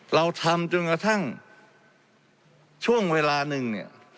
เราทำจนกระทั่งช่วงเวลาหนึ่งเนี่ย